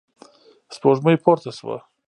سپوږمۍ پورته شوه.